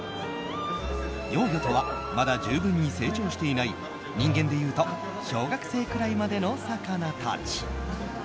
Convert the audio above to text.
幼魚とはまだ十分に成長していない人間でいうと小学生くらいまでの魚たち。